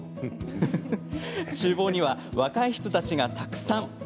ちゅう房には若い人たちがたくさん。